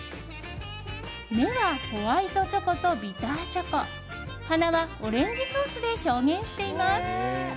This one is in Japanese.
目はホワイトチョコとビターチョコ鼻はオレンジソースで表現しています。